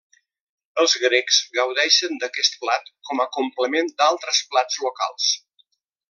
Els grecs gaudeixen d'aquest plat com a complement d'altres plats locals.